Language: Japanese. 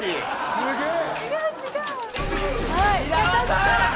すげえ！